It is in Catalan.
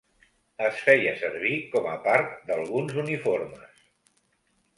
Es feia servir com a part d'alguns uniformes.